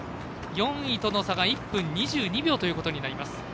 ４位との差が１分２２秒ということになります。